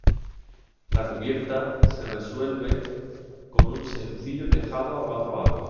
La cubierta se resuelve con un sencillo tejado a cuatro aguas.